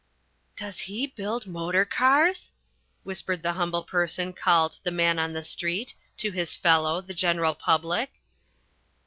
"Does he build motor cars?" whispered the humble person called The Man in the Street to his fellow, The General Public.